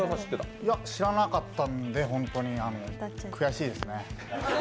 いや、知らなかったんで、ホントに、悔しいですね。